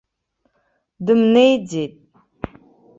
Дымнеиӡеит.